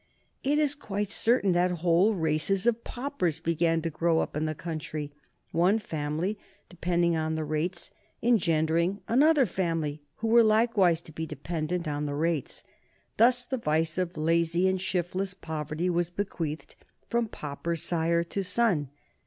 It is quite certain that whole races of paupers began to grow up in the country, one family depending on the rates engendering another family, who were likewise to be dependent on the rates. Thus the vice of lazy and shiftless poverty was bequeathed from pauper sire to son.